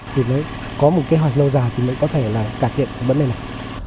thì mới có một kế hoạch lâu dài thì mới có thể là cải thiện vấn đề này